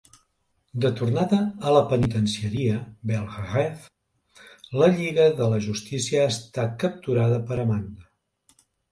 De tornada a la penitenciaria Belle Reve, la Lliga de la justícia ha estat capturada per Amanda.